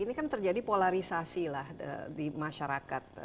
ini kan terjadi polarisasi lah di masyarakat